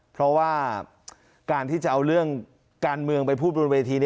เพราะว่าการที่จะเอาเรื่องการเมืองไปพูดบนเวที